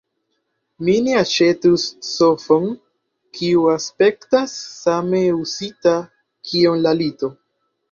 Mi ne aĉetus sofon kiu aspektas same uzita kiom la lito.